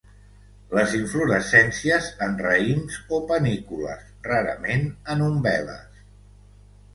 Les inflorescències en raïms o panícules, rarament en umbel·les.